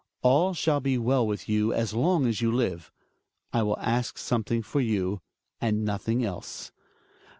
All ehall be well with you as long as you live. I will ask something for you — and nothing else.